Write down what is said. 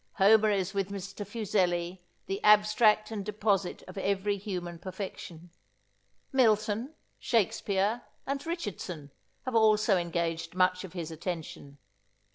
Homer is with Mr. Fuseli the abstract and deposit of every human perfection. Milton, Shakespear, and Richardson, have also engaged much of his attention.